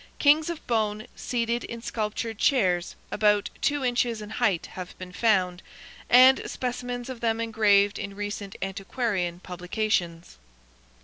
Kings of bone, seated in sculptured chairs, about two inches in height, have been found, and specimens of them engraved in recent antiquarian publications.